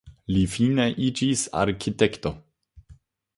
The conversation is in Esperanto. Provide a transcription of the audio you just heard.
Li fine iĝis arkitekto.